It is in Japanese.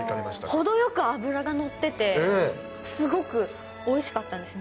程よく脂が乗ってて、すごくおいしかったんです。